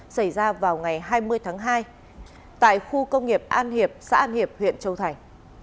xảy ra vào ngày hai mươi tháng hai tại khu công nghiệp an hiệp xã hiệp huyện châu thành